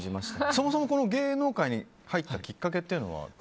そもそも芸能界に入ったきっかけというのは？